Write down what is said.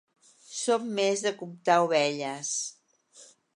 Som més de comptar ovelles.